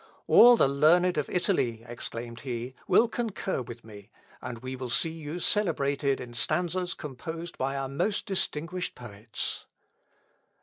"All the learned of Italy," exclaimed he, "will concur with me, and we will see you celebrated in stanzas composed by our most distinguished poets."